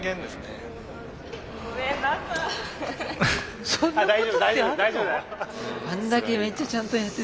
あんだけめっちゃちゃんとやっててもあるんだね。